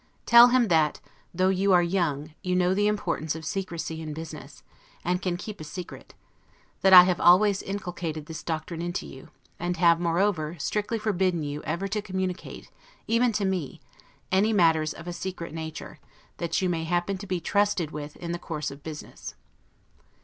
Tell him that, though you are young, you know the importance of secrecy in business, and can keep a secret; that I have always inculcated this doctrine into you, and have, moreover, strictly forbidden you ever to communicate, even to me, any matters of a secret nature, which you may happen to be trusted with in the course of business.